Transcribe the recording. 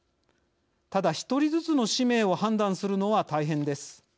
ただ１人ずつの氏名を判断するのは大変です。